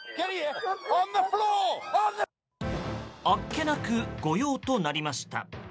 あっけなく御用となりました。